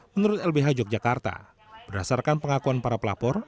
menurut lbh yogyakarta berdasarkan pengakuan para pelapor